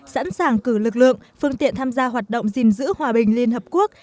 sẵn sàng cử lực lượng phương tiện tham gia hoạt động gìn giữ hòa bình liên hợp quốc